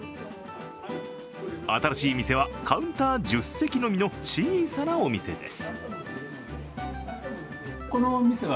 新しい店はカウンター１０席のみの小さなお店です。